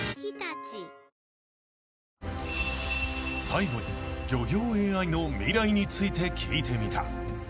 ［最後に漁業ＡＩの未来について聞いてみた］